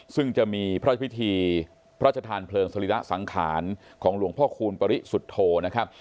ซึ่งจะมีพระพิธีพระชธานเพลิงสรีระสังขารของหลวงพ่อคูณปริสุทธโธนะครับ